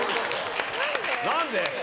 ・何で？